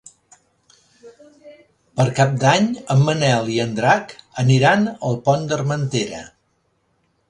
Per Cap d'Any en Manel i en Drac aniran al Pont d'Armentera.